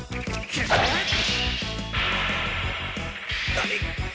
何？